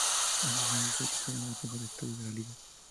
En sus inicios, fue considerado el mejor estadio de la liga.